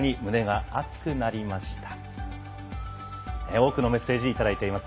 多くのメッセージいただいています。